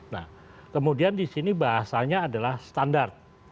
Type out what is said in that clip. nah kemudian di sini bahasanya adalah standar